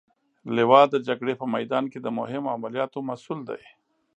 لوا د جګړې په میدان کې د مهمو عملیاتو مسئول دی.